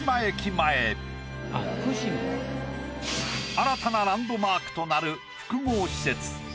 新たなランドマークとなる複合施設